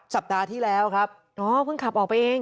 สัปดาห์ที่แล้วครับอ๋อเพิ่งขับออกไปเอง